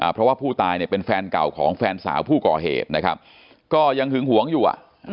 เพราะว่าผู้ตายเนี่ยเป็นแฟนเก่าของแฟนสาวผู้ก่อเหตุนะครับก็ยังหึงหวงอยู่อ่ะ